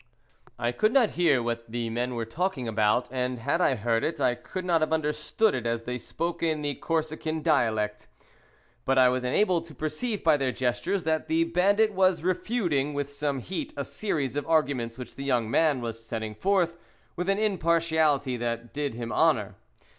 I could not hear what the men were talking about, and had I heard it I could not have understood it, as they spoke in the Corsican dialect. But I was enabled to perceive by their gestures that the bandit was refuting with some heat a series of arguments which the young man was setting forth with an impartiality that did him honour.